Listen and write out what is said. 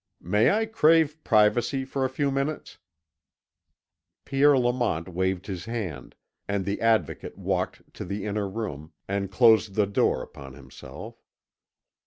"May I crave privacy for a few minutes?" Pierre Lamont waved his hand, and the Advocate walked to the inner room, and closed the door upon himself.